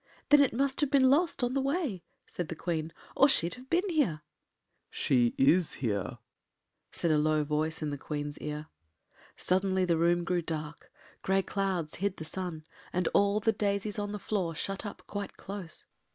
“Then it must have been lost on the way,” said the Queen, “or she’d have been here——” “She is here,” said a low voice in the Queen’s ear. Suddenly the room grew dark, grey clouds hid the sun, and all the daisies on the floor shut up quite close.